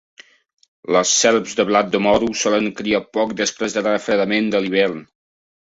Les serps de blat de moro solen criar poc després del refredament de l'hivern.